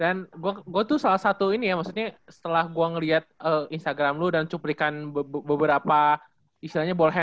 dan gue tuh salah satu ini ya maksudnya setelah gue ngeliat instagram lo dan cuplikan video lo gitu ya